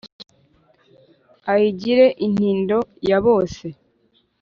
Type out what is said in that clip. ayigire intindo ya bose